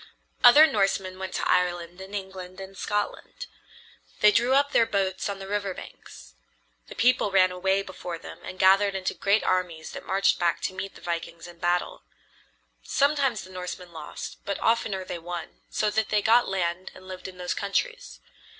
Other Norsemen went to Ireland and England and Scotland. They drew up their boats on the river banks. The people ran away before them and gathered into great armies that marched back to meet the vikings in battle. Sometimes the Norsemen lost, but oftener they won, so that they got land and lived in those countries.